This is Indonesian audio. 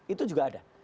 itu juga ada